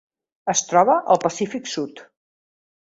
Es troba al Pacífic sud: